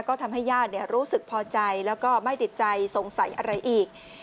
ก็ทำให้ญาติรู้สึกพอใจแล้วก็ไม่ติดใจสงสัยอะไรอีก